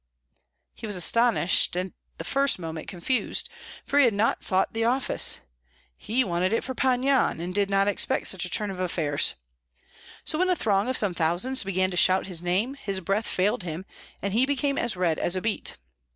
He was astonished, and at the first moment confused, for he had not sought the office. He wanted it for Pan Yan, and did not expect such a turn of affairs. So when a throng of some thousands began to shout his name, his breath failed him, and he became as red as a beet.